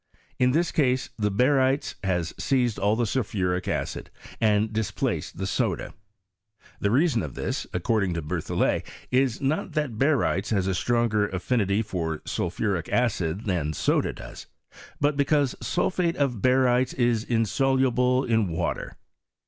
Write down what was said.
In this case the barytes has seized all the sulphuric acid, and di» placed the soda. The reason of this, according to BetlhoUet, is not that barytes has a stronger aEOinity for sulphuric acid than soda has ; but because sul phate of barytes is insoluble in water.